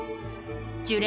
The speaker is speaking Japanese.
樹齢